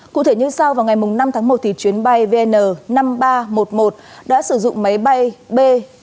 cụ thể như sau vào ngày năm tháng một chuyến bay vn năm nghìn ba trăm một mươi một đã sử dụng máy bay b bảy trăm tám mươi bảy tám trăm sáu mươi tám